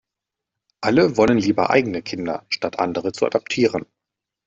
Alle wollen lieber eigene Kinder, statt andere zu adoptieren.